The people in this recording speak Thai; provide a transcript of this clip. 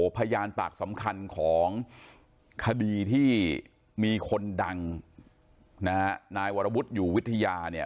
พยานปากสำคัญของคดีที่มีคนดังนะฮะนายวรวุฒิอยู่วิทยาเนี่ย